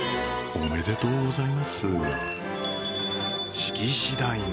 おめでとうございます。